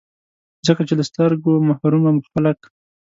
ځکه چي له سترګو محرومه خلګ